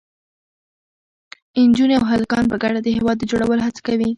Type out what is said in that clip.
نجونې او هلکان په ګډه د هېواد د جوړولو هڅه کوي.